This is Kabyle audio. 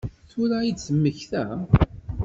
Tura i d-temmekta?